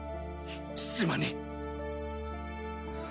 すまねえ！